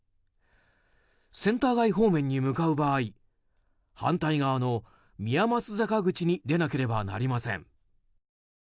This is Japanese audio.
センター街方面に向かう場合反対側の宮益坂口に出なければなりません。